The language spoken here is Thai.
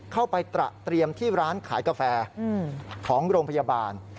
เข้าไปตระเตรียมที่ร้านขายกาแฟของโรงพยาบาล